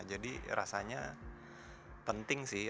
jadi rasanya penting sih